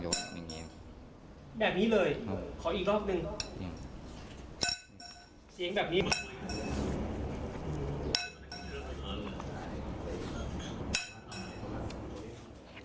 เสียงแบบนี้